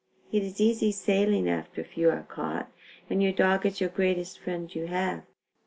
It is easy sailing after a few are caught, and your dog is your greatest friend you have.